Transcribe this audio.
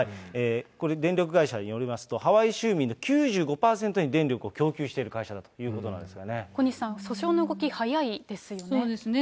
電力会社によりますと、ハワイ州民の９５％に電力を供給している会社ということなんです小西さん、訴訟の動き早いでそうですね。